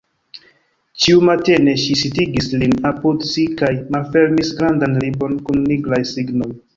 Ĉiumatene ŝi sidigis lin apud si kaj malfermis grandan libron kun nigraj signoj.